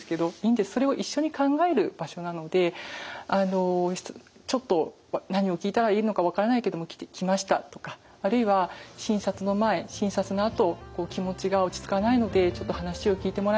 それを一緒に考える場所なのでちょっと何を聞いたらいいのか分からないけども来ましたとかあるいは診察の前診察のあと気持ちが落ち着かないのでちょっと話を聞いてもらえますか？